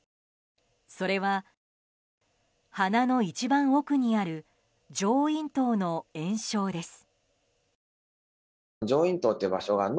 それは、鼻の一番奥にある上咽頭の炎症です。